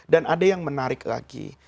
dan ada yang menarik lagi